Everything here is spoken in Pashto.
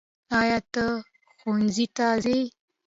ایا ته ښؤونځي ته څې؟